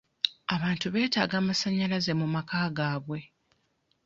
Abantu beetaaga amasanyalaze mu maka gaabwe.